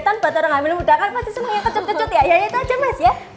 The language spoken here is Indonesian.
tanpa orang hamil muda kan pasti semuanya kecut kecut ya ya itu aja mas ya